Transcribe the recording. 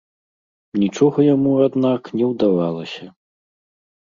Нічога яму, аднак, не ўдавалася.